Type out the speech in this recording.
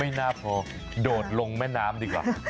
น่าพอโดดลงแม่น้ำดีกว่า